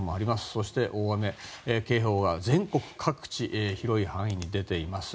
そして、大雨警報は全国各地広い範囲に出ています。